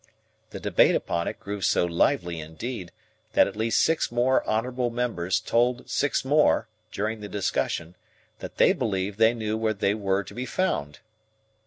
The debate upon it grew so lively, indeed, that at least six more honourable members told six more, during the discussion, that they believed they knew where they were to be found.